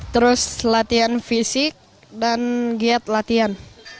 terus latihan fisik dan giat latihan